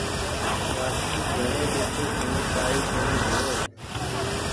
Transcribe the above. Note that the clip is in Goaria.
بآڪي گھري ٻيٺي سون ڪآئي ڪونيٚ هووي۔